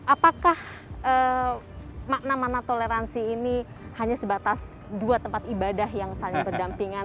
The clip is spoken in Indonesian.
apakah makna makna toleransi ini hanya sebatas dua tempat ibadah yang saling berdampingan